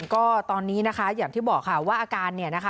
ก็ตอนนี้นะคะอย่างที่บอกค่ะว่าอาการเนี่ยนะคะ